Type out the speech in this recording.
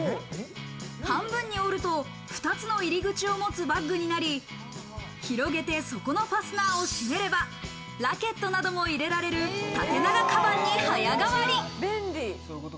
半分に折ると、２つの入り口を持つバッグになり、広げて底のファスナーを閉めれば、ラケットなども入れられる、縦長カバンに早変わり。